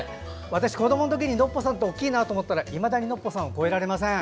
私、子どものときにノッポさん大きいなと思ってたらいまだにノッポさんを超えられません。